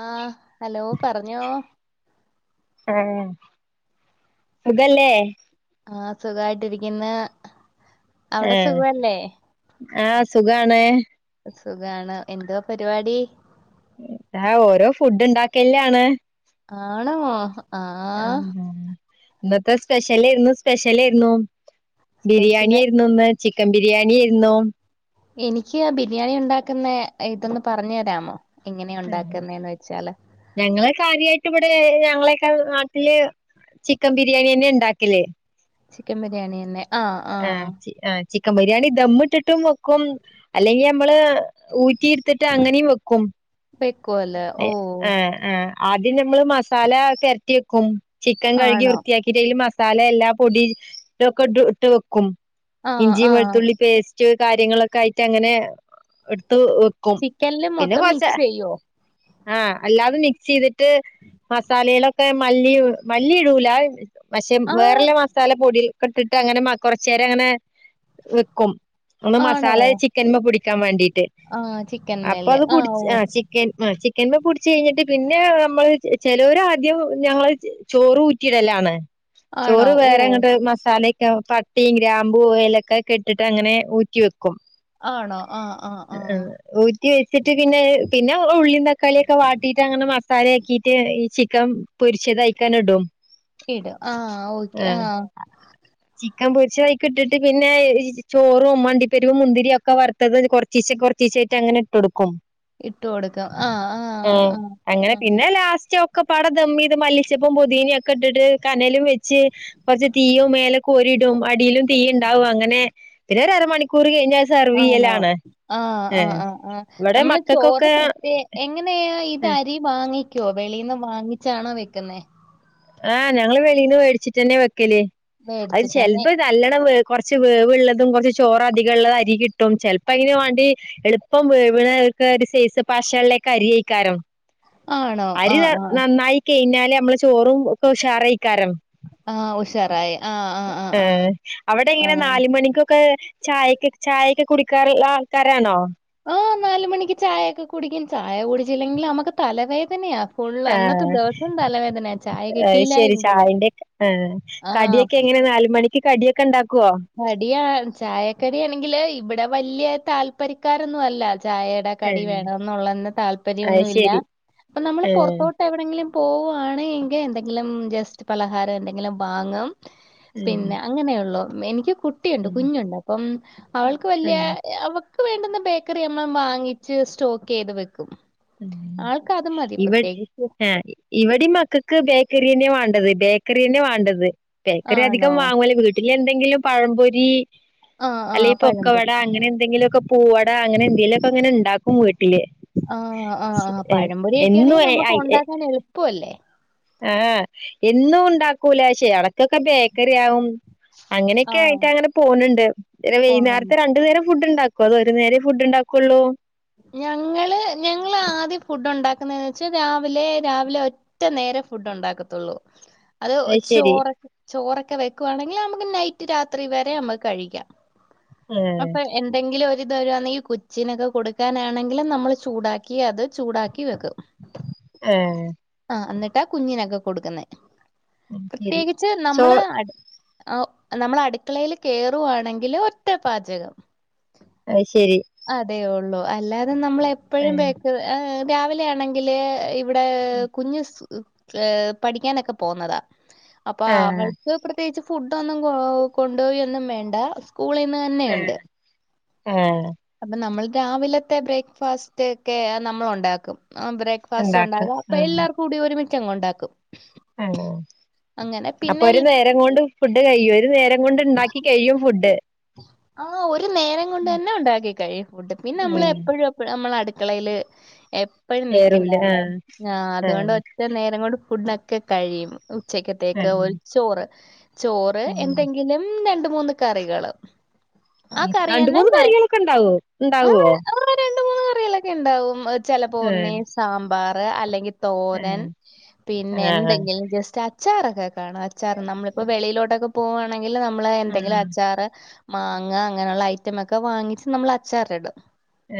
ആഹ് hello പറഞ്ഞോ? ആഹോ സുഖല്ലേ? ആഹ് സുഖായിട്ടിരിക്കുന്ന് അവിടെ ഏഹ് സുഖല്ലേ? ആഹ് സുഖണ് സുഖാണ് എന്തോ പരിപാടി. ഇതാ ഓരോ ഫുഡ് ഉണ്ടാക്കല്ലില ആണ്. ആണോ? ആഹ് ഇന്നത്തെ സ്പെഷ്യൽ എയിന്നു സ്പെഷ്യൽ ആയിരുന്നു. സ്പെഷ്യല് ബിരിയാണിയിരുന്നുന്ന് ചിക്കൻ ബിരിയാണി ആയിരുന്നു. എനിക്ക് ആ ബിരിയാണി ഉണ്ടാക്കുന്ന ഇതൊന്ന് പറഞ്ഞു തരാമോ? എങ്ങനെയ ആഹ് ഉണ്ടാക്കുന്നന്ന് വെച്ചാല്. ഞങ്ങള് കാര്യമായിട്ട് ഇവിടെ ഞങ്ങളേക്കെ നാട്ടില് ചിക്കൻ ബിരിയാണിയന്നെ ഉണ്ടാക്കല്ല്. ചിക്കൻ ബിരിയാണി തന്നെ ആഹ് ആഹ് ചിക്കൻ ബിരിയാണി ദമ്മിട്ടിട്ടും വക്കും. അല്ലെങ്കി നമ്മള് ഊറ്റിയിടുത്തിട്ട് അങ്ങനിം വെക്കും. വകുലോ ഓഹ് ആഹ് ആഹ് ആദ്യം നമ്മള് മസാല പരറ്റി വെക്കും ചിക്കൻ കഴുകി ആണോ വൃത്തിയാക്കി. കിരൽ മസാല എല്ലാ പൊടി ഒക്കെ ഇ ഇട്ട് വെക്കും ആഹ് ഇഞ്ചിയും ആഹ് വെളുത്തുള്ളി പേസ്റ്റ്. കാര്യങ്ങളൊക്കെ ആയിട്ട് അങ്ങനെ എടുത്ത്. വോകും. ചിക്കനില് മൊത്തം മിക്സ് ചെയ്യോ? ആഹ് അല്ലാതെ മിക്സ് ചെയ്തിട്ട്. മസാലയിലൊക്കെ മല്ലി മല്ലി ഇടൂല. പക്ഷെ ആഹ് വേറെല്ല മസാല പൊടിക്കെ ഇട്ടിട്ട് അങ്ങനെ കൊറച്ചേരം അങ്ങനെ വെക്കും. ഒന്ന് ആണോ മസാല ചിക്കൻമ്മ പിടിക്കാൻ വേണ്ടിട്ട്. ആഹ് ചിക്കൻ അപ്പൊ മേലെ അത് പുടിച ഓ ആഹ് ചൻ ആ് ചിക്കന്മ പൊടിച്ചു കഴിഞ്ഞിട്ട് പിന്നെ നമ്മൾ ചേലോർ ആദ്യം ഞങ്ങൾ ചോറ് ഊറ്റിയിടല്ലാണ്. ആണോ ചോറ് ഓ വേറെങ്ങോട്ട് മസാല ഒക്കെ പട്ടിയും ഗ്രാമ്പും യലൊക്കെ കെട്ടിട്ട് അങ്ങനെ ഊറ്റി വെക്കും. ആണോ ആഹ് ആഹ് ആഹ് ഊറ്റി വെച്ചിട്ട് പിന്നെ പിന്നെ ഉള്ളും തക്കാളിയ ഒക്കെ വാട്ടിട്ട് അങ്ങനെ മസാലയാക്കിയിട്ട്. ക്കം പൊരിച്ചത്അയിക്കാട് ഇടും. ഇടും ആഹ് ഓക്കെ ആഹ് ചിക്കൻ പൊരിച്ചതായിക്കിട്ടിട്ട് പിന്നെ ചോറും അണ്ടിപ്പെരുപ് മുന്തിരിയും ഒക്കെ വറ വറുത്തത് കുറച്ചിച്ചെ കുറച്ചീച്ചോ ആട്ട് അങ്ങനെ ഇട്ട് കൊടുക്കും. ഇട്ട് കൊടുക്കും ആഹ് ആഹ് ആഹ് അങ്ങനെ പിന്നെ ലാസ്റ്റ് ഒക്കപ്പാടെ ദമ്മെയ്ത് മല്ലിച്ചെപ്പും പൊതീനീം ഒക്കെ ഇട്ടിട്ട് കനലും വെ ച്ച് കൊർച്ച് തീയും മേലക്കോരിടും അടിയിലും തീ ഉണ്ടാവും അങ്ങനെ പിന്നൊര് അര മണിക്കൂ ക്കൂറ് കയിഞ്ഞാ ആണോ ആഹ് ആഹ് ആഹ് ആഹ് ഇവിടെ നമ്മള് ചോറ് മക്കൾക്കൊക്കെ കൃത്യ എങ്ങനെയാ ഇത് അരി വാങ്ങിക്കോ വെളീന്ന് വാങ്ങിച്ചാണോ വെക്കുന്നേ? ആഹ് ഞങ്ങള് വെളീന്ന് വേടിച്ച്ട്ടെന്നെ വെക്കല് അഹ് മേടിച്ചിട്ട് തന്നെ ചെലപ്പൊ നല്ലണം വേ കൊറച്ച് വേവ്ള്ളതും കൊറച്ച് ചോറധികം ഇള്ളതും അരി കിട്ടും ചെലപ്പൊ അയ്ന് വാണ്ടി എൾപ്പം വേവ്ണ ഒക്കെര് സെയ്സ് പശള്ളെക്ക അരിഎയ്ക്കാരം. ആണോ അരി ആഹ് ആഹ് നന്നായി കെഴിഞ്ഞാല് നമ്മള് ചോറും ഒക്കെ ഉഷാറെയ്ക്കാരം. ആഹ് ഉഷാറായി. ആഹ് അവടെങ്ങനെ ആഹ് ആഹ് നാല് മണിക്കൊക്കെ ചായെക്കെ ചായെക്കെ കുടിക്കാറ്ള്ള ആൾക്കാരാണോ? ആഹ് നാല് മണിക്ക് ചായെക്കെ കുടിക്കും ചായ കുടിച്ചില്ലെങ്കില് നമ്മക്ക് തലവേദനയാ. ഫുള്ള് അന്നത്തെ ആഹ് ദിവസം തലവേദനയാ ചായ അത് കിട്ടീല്ല ശരി എങ്കില്. ചായന്റെ ആഹ് ആഹ് കടിയൊക്കെ എങ്ങനെ നാല് മണിക്ക് കടിയൊക്കെ ഇണ്ടാക്കോ? കടിയാ ചായക്കടി ആണെങ്കില് ഇവ്ടെ വല്ല്യെ താല്പര്യക്കാരൊന്നും അല്ല ചായ കടി ഏഹ് വേണംന്നുള്ളത്ര അത് താല്പര്യൊന്നും ഇല്ല ശരി അപ്പൊ നമ്മള് ഏഹ് പൊറത്തോട്ട് ത്തെവിടെങ്കിലും പോവാണ് എങ്കെ എന്തെങ്കിലും ജസ്റ്റ് പലഹാരം എന്തെങ്കിലും വാങ്ങും. ഏഹ് പിന്നെ അങ്ങനെയൊള്ളൂ എനിക്ക് കു കുട്ടിയുണ്ട് ഏഹ് കുഞ്ഞുണ്ട് അപ്പം അവൾക്ക് വല്ല്യ ഏഹ് അവ ക്ക് വേണ്ടുന്ന ബേക്കറി നമ്മള് വാങ്ങിച്ച് സ്റ്റോക്ക് ചെയ്ത് വെക്കും. ഏഹ് ആൾക്കത് മതി പ്രത്യേകിച്ചും ഇവടീം മക്കക്ക് ബേക്കറ്യേന്നെ വാണ്ടത്, ബേക്കറ്യേന്നെ വാണ്ടത് ബേക്കറി അധികം ആണോ? വാങ്ങുല വീ വീട്ട്ലെന്തെങ്കിലും പഴംപൊരി, ആഹ് ആഹ് അല്ലെങ്കി പൊക്കവട, പഴംപൊരി. അങ്ങനെ എന്തെങ്കിലൊക്കെ പൂവട അങ്ങനെ എന്തെലൊക്കെങ്ങനെ ഇണ്ടാക്കും വീട്ടില്. ആഹ് ആഹ് ആഹ് പഴംപൊരി ഒക്കേണെ നമ്മക്ക് എന്നും ഒണ്ടാക്കാനെളുപ്പൊഅല്ലെ? ആഹ് എന്നും ഇണ്ടാക്കൂല ക്ഷേ എടക്കൊക്കെ ബേക്കറി ആവും. അങ്ങനെക്കെ ആഹ് ആയിട്ടങ്ങനെ പോണ് ണ്ട് പിന്നെ പോന്നുണ്ട്. വൈന്നേരത്ത് രണ്ട് നേരം ഫുഡ് ഇണ്ടാ പ്പതൊര്നേരെ ഫുഡ്ണ്ടാക്കൊള്ളൂ. ഞങ്ങള് ഞങ്ങള് ആദ്യം ഫുഡൊണ്ടാക്കുന്നെന്ന് വെച്ചാ രാവിലെ രാവിലെ ഒ ഒറ്റ നേരെ ഫുഡ് ഒണ്ടാക്കത്തൊള്ളൂ. അത് ചോറൊ ചോറൊക്കെ വെക്കുവാണെങ്കിലമ്മക്ക് നൈറ്റ് രാത്രി വരെ നമ്മക്ക് കഴിക്കാം. ആഹ് അപ്പൊ എന്തെങ്കിലും ഒരിത് വരുവാന്നേങ്ങി കുച്ചിനൊക്കെ കൊട് ക്കാനാണെങ്കിലും നമ്മള് ചൂടാക്കി അത് ചൂടാക്കി വെക്കും. ഏഹ് ആഹ് ഇന്ന്ട്ടാ കുഞ്ഞിനൊക്കെ കൊട്ക്ക്ന്നെ ശരി പ്രത്യേകിച്ച് ചോ നമ്മള് ആഹ് നമ്മള് അട്ക്കളേല് കേറുവാണെങ്കില് ഒറ്റ പാചകം. അഹ് ശരി അതെ ഒള്ളൂ അല്ലാതെ നമ്മളെപ്പഴും ബേക്കറ്.. രാവിലെ ആണെങ്കില് ഇവ്ടെ കുഞ്ഞ് സ് പഠിക്കാനൊക്കെ പോവ്ന്നതാ അപ്പൊ അവൾ ആഹ് അവർക്ക് പ്രത്യേകിച്ച് ഫുഡൊന്നും കൊ കൊണ്ടോവെന്നും വേണ്ട സ് കൂളീന്ന് തന്നെയിണ്ട്. ആഹ് ആഹ് അപ്പൊ നമ്മള് രാവിലത്തെ ബ്രേക്ക്ഫാസ്റ്റ് ഒക്കെ അത് നമ്മളൊണ്ടാക്കും. ആഹ് ബ്രേ ഫാസ്റ്റ് ഉണ്ടാക്ക ഒണ്ടാക്കാ അപ്പൊ ആഹ് എല്ലാർക്കും കൂടി ഒരുമിച്ചങ്ങൊണ്ടാക്കും. ആഹ് അപ്പൊ ഒരു നേരം കൊണ്ട് ഫുഡ് കയ്യും. ഒരു നേരം കൊണ്ട് ഇണ്ടാക്കി കയ്യും ഫുഡ്? ആഹ് ഒരു നേരം കൊണ്ട് തന്നെ ഒണ്ടാക്കി കഴിയും ഫുഡ്. പിന്നെ നമ്മള് ആഹ് എപ്പഴും എ പ്പഴു അമ്മള് അടുക്കളയില് എപ്പഴും കേറൂല നിക്കണ്ടാലോ. ആഹ് ആഹ് അത്കൊണ്ടൊ ഒറ്റ നേരം കൊണ്ട് ഫുഡൊക്കെ കഴിയും. ഉച്ചകത്തേക്ക് ആഹ് ഒരു ചോറ്. ചോറ് എന്തെങ്കിലും രണ്ട്മൂന്ന് കറികള്. ആ ആഹ് രണ്ട് കറിയന്നെ മൂന്ന് നല്ലെ കറികളൊക്കെ ഉണ്ടാവോ ആ ഉണ്ടാവോ രണ്ട് മൂന്ന് കറികളൊക്കെ ഇണ്ടാവും ചെലപ്പോ ഒന്നീ ആഹ് സാമ്പാർ അല്ലെങ്കി ആഹ് തോരൻ പിന്നെ ആഹ് എന്തെങ്കിലും ജസ്റ്റ് അ ച്ചാറൊക്കെ കാണും അച്ചാറ് നമ്മളിപ്പോ വെളിയിലോട്ടൊക്കെ പോവുവാണെങ്കില് നമ്മളെ എന്തെങ്കിലും ആഹ് അച്ചാറ് മാങ്ങ അങ്ങനെയുള്ള ഐറ്റമൊക്കെ വാങ്ങീച്ച് നമ്മള അച്ചാറ് ഇടും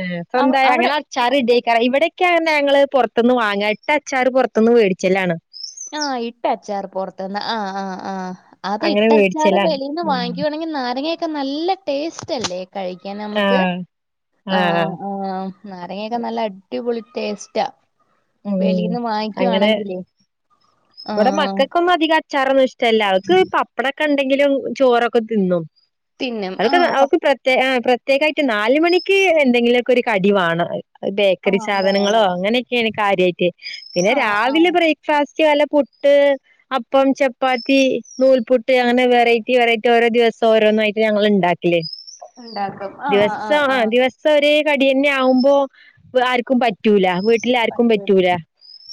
ഏഹ് സ്വന്തായി അങ്ങനെ അച്ചാ റ് ഇടേക്കാരം ഇവിടെയൊക്കെ പറഞ്ഞ ഞങ്ങള് പൊറത്ത്ന്ന് വാങ്ങ ഇട്ട അച്ചാറ് പൊറത്ത്ന്ന് വേടിച്ചലാണ് ആഹ് ഇട്ട അച്ചാറ് പൊറത്ത്ന്ന് ആഹ് ആഹ് ആഹ് അത് അങ്ങനെ ഇട്ട അച്ചാറ് മേടിച്ചലാണ് വെളീന്ന് ഉം വാങ്ങി ക്കുവാണെങ്കി നാരങ്ങയക്കെ നല്ല ടേസ്റ്റ്ല്ലേ കഴിക്കാൻ നമുക്ക് ആഹ് ആഹ് നാരങ്ങയൊക്കെ നല്ല അടിപൊളി ടേസ്റ്റാ ഉം വെളീന്ന് അങ്ങനെ വാങ്ങിക്കുവാണെങ്കിലേ ഇവടെ ആഹ് മക്കക്കൊന്നും അധിക അ ച്ചാറൊന്നും ഇഷ്ടല്ല അവർക്ക് പപ്പടൊക്കെ ഇണ്ടെങ്കിലും ചോറൊക്കെ തിന്നും തിന്നും അവർക്ക് ആഹ് പ അവക്ക് പ്രത്യേ ആ പ്രത്യേകായിട്ട് നാലുമണിക്ക് എന്തെങ്കിലൊക്കൊരു കടി വാണം ബേക്കറി ആഹ് സാധനങ്ങളോ വേണം അങ്ങനെയൊക്കെയാണ് കാര്യായിട്ട് പിന്നെ ആഹ് രാവിലെ ആഹ് ബ്രേ ഫാസ്റ്റ് വല്ല പുട്ട് അപ്പം ചപ്പാത്തി, നൂൽപുട്ട്, അങ്ങനെ വെറൈറ്റി വെറൈറ്റി ഓരോ ദിവസം ഓരോന്ന് ആയിട്ട് ഞങ്ങള്ണ്ടാക്കി വീട്ട്ല് ഇണ്ടാക്കും ആ ആഹ് ആഹ് ദിവസം ഒരേ കടിയന്നെ ആവുമ്പം ആർക്കും പറ്റൂല വീട്ടില് ആർക്കും പറ്റും പറ്റൂല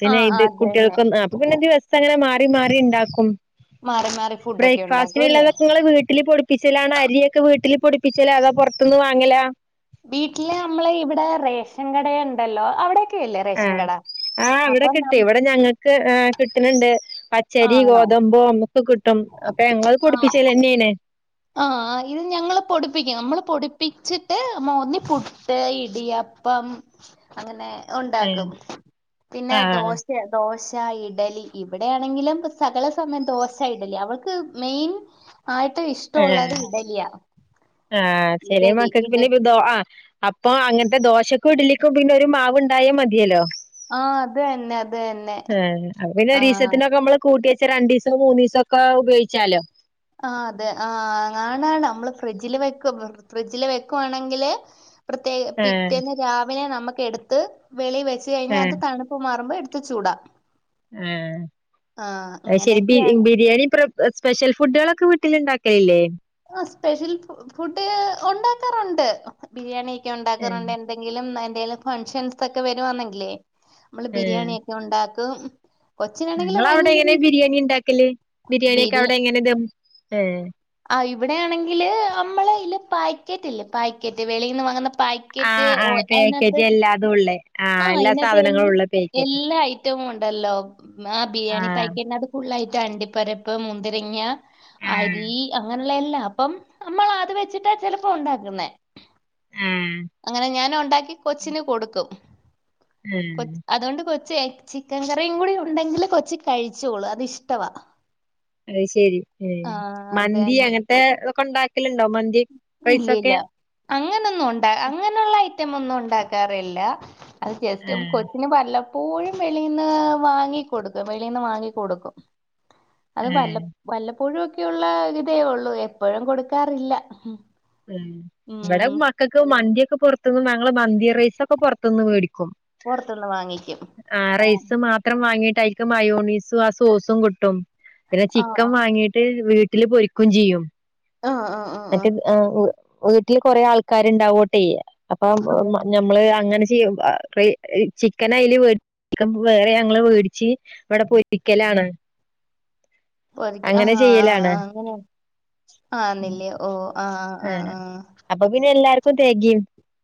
പിന്നെ ആഹ് ഇത് അതന്നെ കുട്ടിയൾക്കും അപ്പൊ പിന്നെ ദിവസം അങ്ങനെ മാറി മാറി ഇണ്ടാക്കും മാറി മാറി ഫുഡൊക്കെ ബ്രേക്ക് ഫാസ്റ്റ്ന് ഉണ്ടാക്കും അല്ലേ ഇള്ളതൊക്കെ ഇങ്ങള് വീട്ടില് പൊ പൊടിപ്പിച്ചലാണോ? അരിയൊക്കെ വീട്ടില് പൊടിപ്പിച്ചലേ അതോ പൊറത്തുന്ന് വാങ്ങല? വീട്ടില് നമ്മള് ഇവടെ റേഷൻകടയൊണ്ടല്ലോ അവിടെ ആഹ് ആ ഇവടെ കിട്ടി നം ഇവടെ ഞങ്ങക്ക് കിട്ടുന്നുണ്ട് പച്ച രി, ആണോ ഗോതമ്പോ, ഒക്കെ കിട്ടും അപ്പൊ ഞങ്ങള് ആഹ് പൊടിപ്പിച്ചലെന്നേണ് ആഹ് ഇത് ഞങ്ങള് പൊടിപ്പിക്കും നമ്മള് പൊടിപ്പിച്ചി ട്ട് മോന്നി പുട്ട്, ഇടിയപ്പം അങ്ങനെ ആഹ് ഉണ്ടാക്കും പിന്നെ ആഹ് ദോശ ദോശ, ഇഡലി ഇവിടെയാണെങ്കിലും സകല സമയം ദോശ ഇഡലി അവൾക്ക് മെയിൻ ആയിട്ട് ആഹ് ഇഷ്ടവുള്ളത് ഇഡലിയാ ആഹ് ചെറിയ ഇഡലി മക്കക്ക് ഇഡ പിന്നൊരു ദോ ആഹ് അപ്പൊ അങ്ങൻത്തെ ദോശക്കും ഇടലിക്കും പിന്നെ ഒരു മാവ് ഇണ്ടായ മതിയല്ലോ? ആഹ് അത് തന്നെ അത് തന്നെ ഏന് അപ്പ പിന്നെ ആഹ് ഒരീസത്തിനൊക്കെ നമ്മള് കൂട്ടിവെച്ച രണ്ടീസും മൂന്നീസൊക്കെ ഉപയോഗിച്ചാലോ ആഹ് അതെ ആ ആണാണ് നമ്മള് ഫ്രിഡ്ജില് വെക്കും ഫ്രിഡ്ജില് വെക്കുവാണെങ്കില് പ്രത്യേക ആഹ് പിറ്റേന്ന് രാവിലെ നമ്മക്ക് എടുത്ത് വെളി വെച്ച് കഴിഞ്ഞ ആഹ് അത് തണുപ്പ് മാറുമ്പോ എടു ത്തി ച്ചൂട ആഹ് അത് ശെരി അങ്ങനെയൊക്കെയാണ് ബിരിയാണി സ്പെഷ്യൽ ഫുഡുകളൊക്കെ വീട്ടില് ണ്ടാക്കലില്ലേ ആഹ് സ്പെഷ്യൽ ഫുഡ് ഒ ണ്ടാക്കാറുണ്ട് ബിരിയാണിയക്കെ ഒ ഏഹ് ണ്ടാക്കാറുണ്ട് എ ന്തെങ്കിലും എന്തെങ്കിലും ഫങ്ങ് ഷൻസ് ഒക്കെ വരുവാന്നെങ്കിലേ നമ്മള് ബിരിയാണിയൊക്കെ ഒ ണ്ടാക്കും ഇങ്ങളെ അവിടെ എങ്ങനെ ബിരിയാണി ഉണ്ടാക്കല് ബിരിയാണിയൊക്കെ ബിരി അവിടെ എങ്ങനെ ദം ഏഹ് ആഹ് ഇവിടെയാണെങ്കില് അമ്മള് ഇല്ലെ പായ്ക്കറ്റ് ഇല്ലേ പായ്ക്കറ്റ് വെളീന്ന് വാങ്ങുന്ന പാ യ്ക്കറ്റ് ഓഹ് അതിനാത്ത് അതൂള്ളെ ആഹ് എല്ലാ സാധനങ്ങളും ഉള്ള പേക്കറ്റ് [unintelligible] വും ഉണ്ടല്ലോ ആഹ് ബിരിയാണി ആഹ് പായ്ക്കറ്റിനകത്ത് ഫുള്ളായിട്ട് അണ്ടിപ്പരിപ്പ് മുന്തിരി ങ്ങ ആഹ് അരി അങ്ങനെയുള്ള എല്ലാം അപ്പം അമ്മള് അത് വെച്ചിട്ടാ ചെലപ്പൊ ഒ ണ്ടാക്കുന്നേ ആഹ് അങ്ങനെ ഞാന് ഒണ്ടാക്കി കൊച്ചിന് കൊടുക്കും ആഹ് കൊ അതുകൊണ്ട് കൊച്ചെ ചിക്കൻ കറിയും കൂടി ഉണ്ടെങ്കിൽ കൊച്ച് കഴിച്ചോളും അത് ഇഷ്ടവാ അത് ശെരി ഉം ആ അതെ മന്തി അങ്ങനത്തെ ഇതൊക്കെ ഒണ്ടാക്കലുണ്ടോ മന്തി ഇല്ല ഇല്ല റൈസൊക്കെ അങ്ങനൊന്നും ഒണ്ട അങ്ങനുള്ള ഐറ്റം ഒന്നും ഒ ണ്ടാക്കാറില്ല അത് ജസ്റ്റ് ആഹ് കൊച്ചിന് വല്ല പ്പോഴും വെളീന്ന് വാങ്ങികൊടുക്കും വെളീന്ന് വാങ്ങികൊടുക്കും അത് വല്ല ആഹ് വല്ലപ്പോഴുഒക്കെയുള്ള ഇതേ ഉള്ളൂ എപ്പൊഴും കൊടുക്കാറില്ല ഉം ഇവിടെ ഉം മക്കൾക്ക് മന്തിക്കെ പൊ റത്തുന്ന് ഞങ്ങള് മന്തി റൈസൊക്കെ പൊറത്തൂന്ന് മേടിക്കും പുറത്തുന്ന് വാങ്ങിക്കും ആഹ് റൈസ് മാത്രം വാങ്ങീട്ട് അയിക്ക് മയോണീസും ആഹ് സോസും കിട്ടും പിന്നെ ആഹ് ചിക്കൻ വാങ്ങീട്ട് വീട്ടില് പൊരിക്കും ചെയ്യും ആഹ് ആഹ് മറ്റേ ആഹ് അഹ് വീട്ടില് കൊറേ ആൾക്കാര്ണ്ടാവോട്ടെ അപ്പൊ ആഹ് ഞമ്മള് അങ്ങനെ ചിക്കൻ അയില് വേറെ ഞങ്ങള് വേടിച്ച് ഇവ്ടെ പൊരിക്കലാണ് ആഹ് അങ്ങനെ ആഹ് ചെയ്യലാണ് ആഹ് അങ്ങനെ ആന്നില്ലെയോ ആഹ് അപ്പൊ പിന്നെ എല്ലാർക്കും തെകയും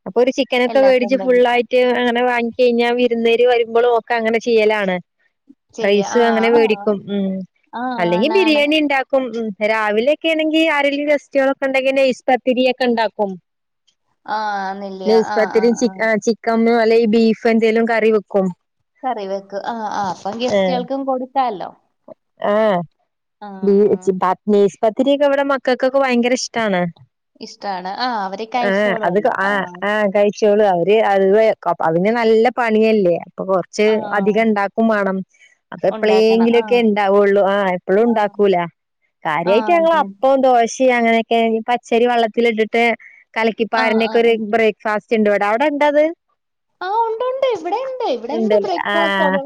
അപ്പൊ ഒരു ചിക്കനൊക്കെ എല്ലാർക്കും വേടിച്ച് ഉണ്ടെങ്കിൽ ഫുള്ളായി റ്റ് അങ്ങനെ വാങ്ങി കഴിഞ്ഞാൽ വിരുന്നെര് വരുമ്പോളും ഒക്കെ അങ്ങനെ ചെയ്യലാണ് ചെയ്യാ റൈസും അങ്ങനെ ആഹ് ആഹ് വേടിക്കും ഉം ആഹ് അല്ലെങ്കിൽ ആണാണ് ബിരിയാണിണ്ടാ ക്കും ഉം രാവിലേക്കേണെങ്കി ആരേ ലും ഗസ്റ്റ്കളൊക്കെ ഇൻ- നൈസ്പത്തിരിയ ക്കെണ്ടാക്കും ആഹ് ആന്നില്ലിയോ ആഹ് നൈസ്പത്തിരി ചി ആഹ് ചി ക്കമ്മോ അല്ലെങ്കി ബീഫ് എന്തേലും കറി വെക്കും കറി വെക്കും ആഹ് ആഹ് അപ്പം ഏഹ് ഗെസ്റ്റുകൾക്കും കൊടുക്കാല്ലൊ ആഹ് ബീ - [unintelligible] നൈസ്പത്തിരിക്കെ ഇവിടെ മക്കക്കൊക്കെ ഭയങ്കര ഇഷ്ടാണ് ഇഷ്ടാണ് ആഹ് അവര് ആഹ് അത്ക കഴിച്ചോളുവല്ലോ ആഹ് ആഹ് കഴി- ച്ചോള് അവര് അത് അതിന് നല്ല പണിയല്ലേ അപ്പൊ കൊറച്ച് ആഹ് അധികണ്ടാക്കും വേണം അത് ഉണ്ടാക്കണം എപ്പളേങ്കിലു ക്കെ ആഹ് ഉണ്ടാവോള്ളൂ ആഹ് എപ്പഴും ആഹ് ഉണ്ടാക്കൂല കാര്യായിട്ട് ആഹ് ഞങ്ങള് അതെ അപ്പം ദോശേ അങ്ങനെയൊക്കെ പച്ചരി വള്ളത്തിലിട്ടിട്ട് ആഹ് കലക്കിപ്പാരിന്ക്കൊ ര് ആഹ് ബ്രേക്ക്‌ ഫാസ്റ്റുണ്ട് വിട അവിടെണ്ടാത് ആഹ് ഉണ്ട് ഉണ്ട് ഇവിടെയുണ്ട് ഇവിടെയുണ്ട് ണ്ടല്ലേ ബ്രേക്ക്ഫാസ്റ്റ് ആഹ് അത്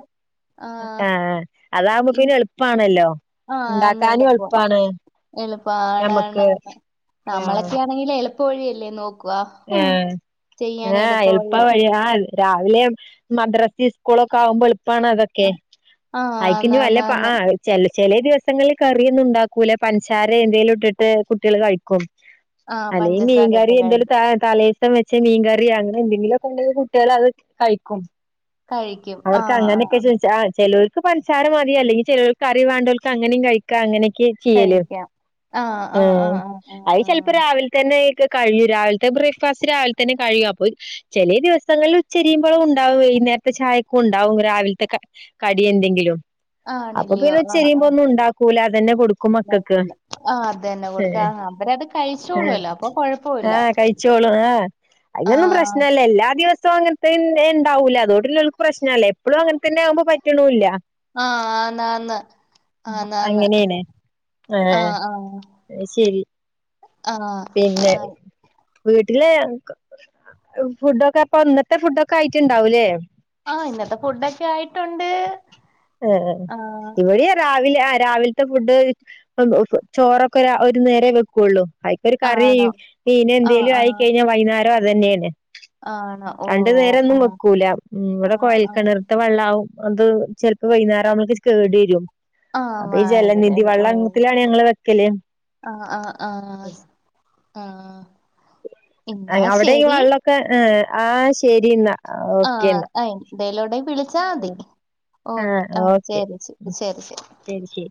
ആഹ് അതാകുമ്പൊ ഈ പിന്നെ എളു പ്പാണല്ലോ ആഹ് ആന്ന് എളുപ്പം എളുപ്പം ആണ് ആണ് ഞമ്മക്ക് ആണ് ആഹ് നമ്മളൊക്കെ ആണെങ്കിൽഎളുപ്പ വഴിയല്ലേ നോ ആഹ് ഏഹ് എള്പ്പ വഴിയ ആഹ് എൾ രാവിലെ മദ്രസി സ്കൂളൊക്കെആകുമ്പോ എളുപ്പാണ് അത് ക്കെ ആഹ് ആന്ന് അയിക്കിഞ്ഞി വല്ല ആന്ന് ആന്ന് [unintelligible] ചെ ചെലേ ദിവസങ്ങളില് കറിയൊന്നും ഉണ്ടാക്കൂല പഞ്ചസാര എന്തേലും ഇട്ട് കുട്ടികൾ കഴിക്കും ആഹ് പഞ്ചസാരയിട്ട് കഴി ആഹ്‌ തലേസം വെച്ച മീൻകറി അങ്ങനെ എന്തേലുവൊക്കെണ്ടെങ്കി കുട്ടികൾ അത് കയിക്കും കഴിയ് അവർക്ക് അങ്ങനെക്കെ ചോയിച്ച ആഹ് ചിലോർക്ക് പഞ്ചസാര മതി അല്ലെങ്കി ചിലർക്ക് കറി വേണ്ടോൽക്ക് അങ്ങനെയും കഴിക് ക്കാ അങ്ങനെക്കെ ചെയ്യല് കഴിക്കാം ആഹ് അത് ചെൽ പ്പൊ രാവിലെ തന്നെ ക്ക് കഴിയും രാവിലത്തെ ബ്രേക്ക്ഫാസ്റ്റ് രാവിലെ തന്നെ കഴിയും അപ്പോ ചെലെ ദിവസങ്ങളില് ഉച്ചരിയുമ്പോളും ഉണ്ടാവും വൈനേരത്തെ ചായ ഉണ്ടാവും രാവിലത്തെ കടി എന്തെങ്കിലും അപ്പൊ ആണല്ലയോ ആഹ് പിന്നെച്ചരിയ്മ്പൊ ആഹ് ഒന്നും ഉണ്ടാക്കൂല അതന്നെ കൊടുക്കും മക്കൾക്ക് ഉണ്ടാക്കൂല ആഹ് അതന്നെ കൊടുക്ക ഏഹ് ആഹ് അവരത് ആഹ് കഴിച്ചോളൂല്ലോ അപ്പൊ കൊഴപ്പവില്ല ആഹ് കഴിച്ചോളും ആഹ് അയിനൊന്നും ആഹ് പ്രശ്നല്ല എല്ലാ ദിവസവും ങ്ങനെ പിന്നെ ഉണ്ടാവുലെ അതോണ്ട്ള്ള പ്രശ്നല്ല എപ്പളും അങ്ങൻതന്നെ ആകുമ്പോ പറ്റണുല്ല ആഹ് ആന്ന് ആന്ന് ആന്ന് ആന്ന് അങ്ങനെയാണ് ആഹ് ആഹ് അത് ശരി ആഹ് പിന്നെ ആഹ് വീട്ടിലെ ഫുഡൊക്കെ പ്പ ഇന്നത്തെ ഫുഡൊക്കെ ആയിട്ടുണ്ടാവൂലേ ആഹ് ഇന്നത്തെ ഫുഡൊക്കെ ആയിട്ടുണ്ട് ആഹ് ഇവിടെ രാവിലെ ആഹ് രാവിൽ ലത്തെ ഫുഡ് ചോറൊക്കെ ഒരു നേരെ വെക്കുള്ളു വയ്യിട്ട് ഒരു കറി ആണോ മീന് ആഹ് എന്തേലും ആഹ് ആയിക്കഴിഞ്ഞാൽ വൈകുന്നേരം അത് തന്നെയാണ് ആണോ രണ്ടു ഓഹ് നേരൊന്നും ആഹ് വെക്കൂല ഇവിടെ ആഹ് ആഹ് കോഴൽക്കിണർത്ത് വെള്ളാവും അത് ചെൽ പ്പ വൈകുന്നേരം നമ്മൾക്ക് കേടി വരും ആഹ് അപ്പൊ ഈ വായവിടെ ജലനിധി അല്ലെ വെള്ളം ഓഹ് ത്തിലാണ് ഞങ്ങള് വെക്കല് ആഹ് ആഹ് ആഹ് ആഹ് എന്നാ ആഹ് അവിടെ ശരി വെള്ളമൊക്കെ ആ ആഹ് ശരി എന്നാ ഓക്കെ എന്നാ ആഹ് എന്തേലൊണ്ടേ വിളിച്ചാൽ മതി ആ ഓക്കെ ആഹ് ഓക്കെ ശരി ച്ചി ശരി ശരി ശരി ശരി